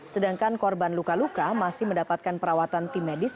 sedangkan korban luka luka masih mendapatkan perawatan tim medis